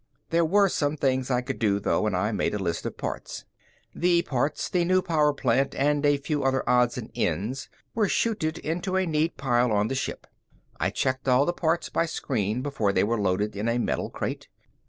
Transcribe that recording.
There were some things I could do, though, and I made a list of parts. The parts, the new power plant and a few other odds and ends were chuted into a neat pile on the ship. I checked all the parts by screen before they were loaded in a metal crate.